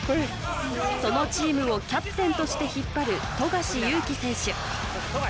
そのチームをキャプテンとして引っ張る富樫勇樹選手富樫